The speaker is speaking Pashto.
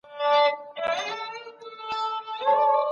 حکومت د ډیپلوماتیکو کارکوونکو پر وړاندي بې احتیاطي نه کوي.